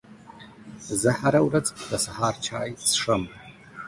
زه هره ورځ د سهار چای څښم